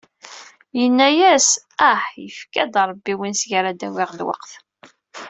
Yenna-as: «Ah! Yefka-d Ṛebbi win seg ara d-awiɣ lweqt».